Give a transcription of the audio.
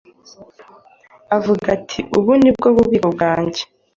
Avuga ati: 'Ubu ni bwo bubiko bwanjye,